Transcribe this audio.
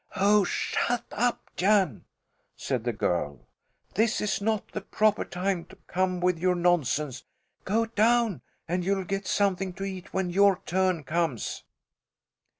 "Oh, shut up, Jan!" said the girl. "This is not the proper time to come with your nonsense. Go down, and you'll get something to eat when your turn comes."